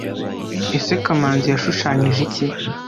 ese kamanzi yashushanyije iki -